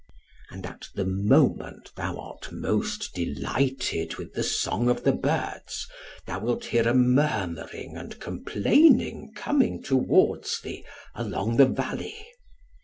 And at the moment thou art most delighted with the song of the birds, thou wilt hear a murmuring and complaining coming towards thee along the valley.